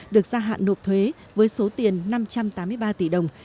được gia hạn nộp thuế với số tiền năm trăm tám mươi ba tỷ đồng